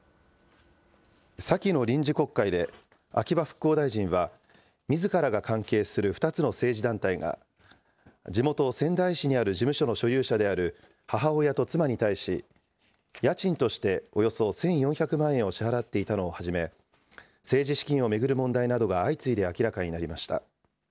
先の臨時国会で秋葉復興大臣は、みずからが関係する２つの政治団体が、地元、仙台市にある事務所の所有者である母親と妻に対し、家賃としておよそ１４００万円を支払っていたのをはじめ、政治資金を巡る問題などが相次いで明らかになりました。